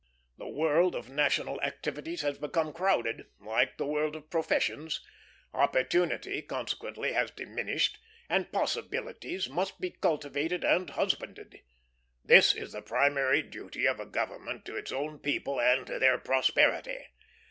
The world of national activities has become crowded, like the world of professions; opportunity, consequently, has diminished, and possibilities must be cultivated and husbanded. This is the primary duty of a government to its own people and to their posterity.